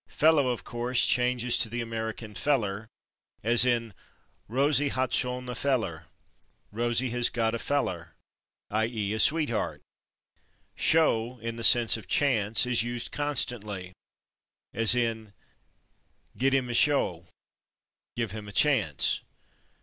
/Fellow/, of course, changes to the American /feller/, as in "Rosie hat schon a /feller/" (=Rosie has got a /feller/, /i. e./, a sweetheart). /Show/, in the sense of /chance/, is used constantly, as in "git ihm a /show/" (=give him a chance).